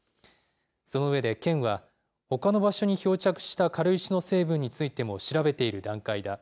その上で県は、ほかの場所に漂着した軽石の成分についても調べている段階だ。